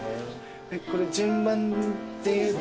これ順番っていうと。